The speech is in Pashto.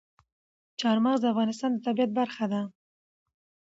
چار مغز د افغانستان د طبیعت برخه ده.